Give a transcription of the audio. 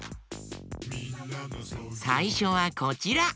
さいしょはこちら。